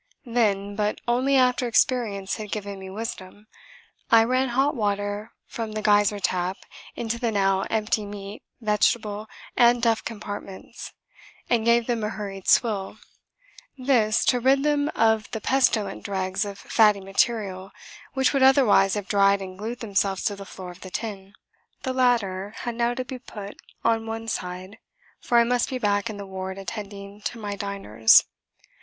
Then (but only after experience had given me wisdom) I ran hot water from the geyser tap into the now empty meat, vegetable and duff compartments, and gave them a hurried swill: this to rid them of the pestilent dregs of fatty material which would otherwise have dried and glued themselves to the floor of the tin. The latter had now to be put on one side, for I must be back in the ward attending to my diners.